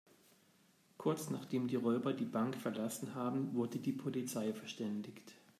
Kurz, nachdem die Räuber die Bank verlassen haben, wurde die Polizei verständigt.